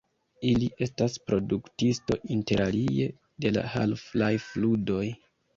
Ili estas produktisto interalie de la Half-Life-ludoj.